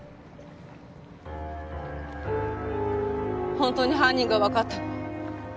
本当に犯人がわかったの？